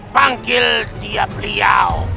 panggil dia beliau